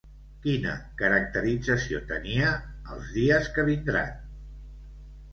Quina caracterització tenia Els dies que vindran?